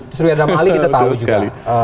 di suri adam ali kita tahu juga